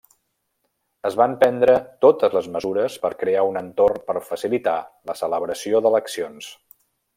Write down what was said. Es van prendre totes les mesures per crear un entorn per facilitar la celebració d'eleccions.